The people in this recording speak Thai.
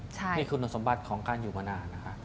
นี่คือโน้นสมบัติของการอยู่มานาน